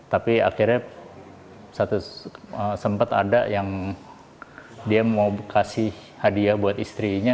tapi akhirnya satu sempat ada yang dia mau kasih hadiah buat istrinya